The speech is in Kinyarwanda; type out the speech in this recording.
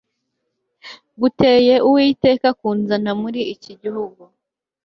guteye Uwiteka kunzana muri iki gihugu